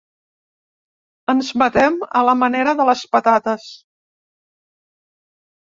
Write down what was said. Els matem a la manera de les patates.